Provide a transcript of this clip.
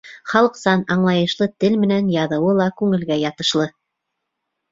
Халыҡсан, аңлайышлы тел менән яҙыуы ла күңелгә ятышлы.